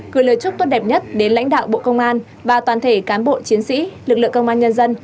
gửi lời chúc tốt đẹp nhất đến lãnh đạo bộ công an và toàn thể cán bộ chiến sĩ lực lượng công an nhân dân